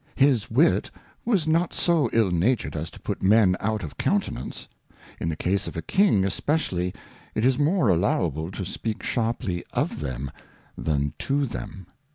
His Wit was not so ill natured as to put Men out of countenance. In the case of a King especially, it is more allowable to speak sharply q/them, than to them.